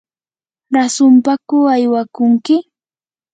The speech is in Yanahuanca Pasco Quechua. ¿rasunpaku aywakunki?